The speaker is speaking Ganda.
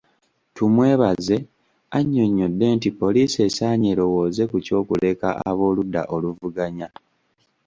Tumwebaze annyonnyodde nti poliisi esaanye erowooze ku ky'okuleka ab'oludda oluvuganya.